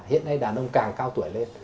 hiện nay đàn ông càng cao tuổi lên